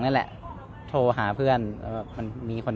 เวลาที่สุดตอนที่สุด